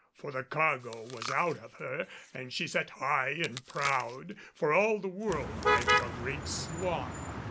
For the cargo was out of her and she sat high and proud, for all the world like a great swan.